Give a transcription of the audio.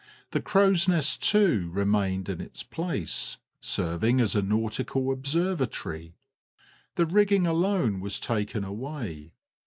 The crow's nest, too, remained in its place, serving as a nautical observatory; the rigging alone was taken away.